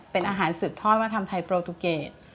เป็นอาหารสืบทอดว่าทำไทยโปรตุเกต